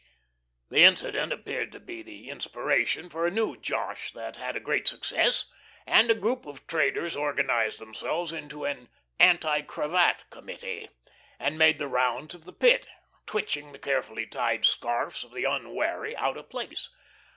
The incident appeared to be the inspiration for a new "josh" that had a great success, and a group of traders organized themselves into an "anti cravat committee," and made the rounds of the Pit, twitching the carefully tied scarfs of the unwary out of place.